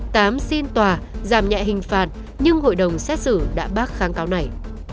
tám xin tòa giảm nhẹ hình phạt nhưng hội đồng xét xử đã bác kháng cáo này